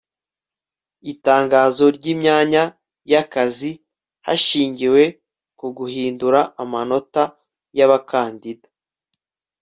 itangazo ry imyanya y akazi hashingiwe ku guhindura amanota y abakandida